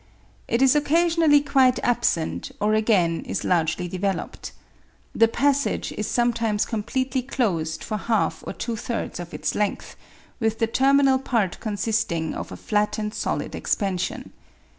It is occasionally quite absent, or again is largely developed. The passage is sometimes completely closed for half or two thirds of its length, with the terminal part consisting of a flattened solid expansion.